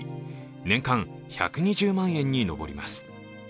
年間１２０万円に上ります。